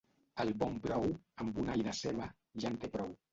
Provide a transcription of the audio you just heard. El bon brou, amb un all de ceba, ja en té prou.